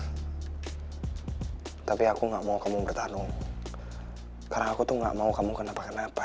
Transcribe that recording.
tapi aku nggak mau kamu bertarung karena aku tuh gak mau kamu kenapa kenapa